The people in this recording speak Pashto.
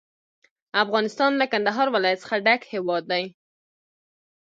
افغانستان له کندهار ولایت څخه ډک هیواد دی.